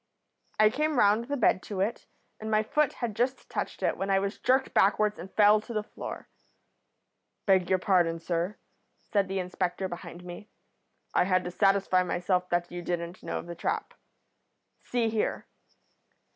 "I came round the bed to it, and my foot had just touched it when I was jerked backwards and fell to the floor. "'Beg your pardon, sir,' said the inspector behind me. 'I had to satisfy myself that you didn't know of the trap. See here.'